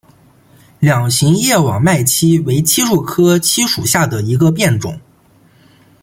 两型叶网脉槭为槭树科槭属下的一个变种。